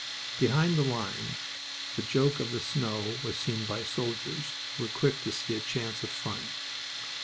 Behind the lines the joke of the snow was seen by soldiers, who were quick to see a chance of fun.